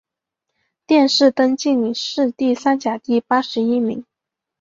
殿试登进士第三甲第八十一名。